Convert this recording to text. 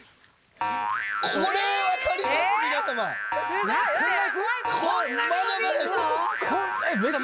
すごい！これが。